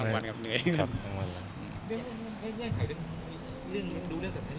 เรื่องดูด้านสำคัญที่ต้องดูมันติดอยู่ด้วยไหมครับ